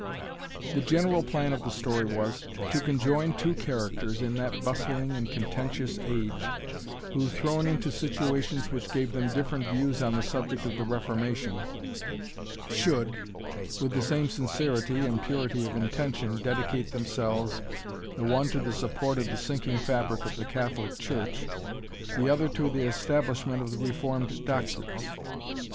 The general plan of the story was, to conjoin two characters in that bustling and contentious age, who, thrown into situations which gave them different views on the subject of the Reformation, should, with the same sincerity and purity of intention, dedicate themselves, the one to the support of the sinking fabric of the Catholic Church, the other to the establishment of the Reformed doctrines.